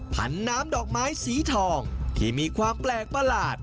ผันน้ำดอกไม้สีทองที่มีความแปลกประหลาด